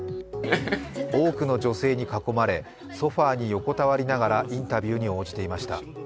多くの女性に囲まれソファーに横たわりながらインタビューに応じていました。